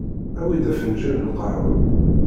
Awi-d afenǧal n lqahwa